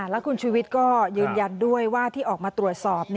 แล้วคุณชุวิตก็ยืนยันด้วยว่าที่ออกมาตรวจสอบ